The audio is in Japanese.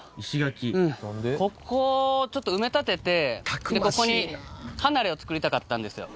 ここをちょっと埋め立ててでここに離れを作りたかったんですよ。